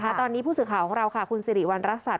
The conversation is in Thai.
ตอนนี้ผู้สื่อข่าวของเราค่ะคุณสิริวัณรักษัตว